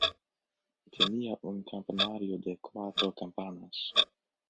Tenía un campanario de cuatro campanas.